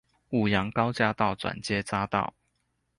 五楊高架道轉接匝道